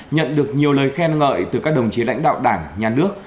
nhận được nhiều lời khen ngợi từ các đồng chí lãnh đạo đảng nhà nước